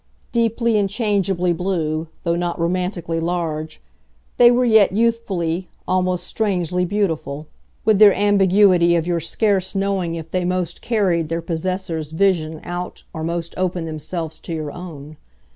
Deeply and changeably blue, though not romantically large, they were yet youthfully, almost strangely beautiful, with their ambiguity of your scarce knowing if they most carried their possessor's vision out or most opened themselves to your own.